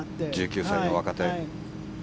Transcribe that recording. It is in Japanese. １９歳の若手。